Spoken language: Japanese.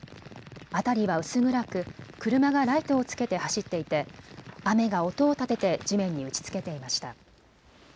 辺りは薄暗く、車がライトをつけて走っていて雨が音を立てて地面に打ちつけていました。